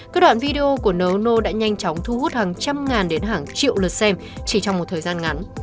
các đoạn video của nấu nô đã nhanh chóng thu hút hàng trăm ngàn đến hàng triệu lượt xem chỉ trong một thời gian ngắn